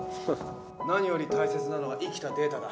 何より大切なのは生きたデータだ。